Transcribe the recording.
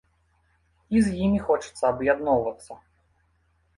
І з імі хочацца аб'ядноўвацца.